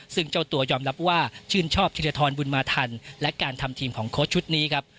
ซึ่งเจ้าตัวยอมรับว่าชื่นชอบธิรทรบุญมาทันและการทำทีมของโค้ชชุดนี้ครับ